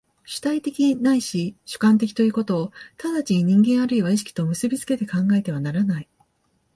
主体的ないし主観的ということを直ちに人間或いは意識と結び付けて考えてはならない。